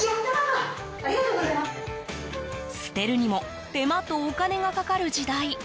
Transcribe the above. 捨てるにも手間とお金がかかる時代。